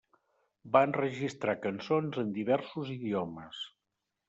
Va enregistrar cançons en diversos idiomes.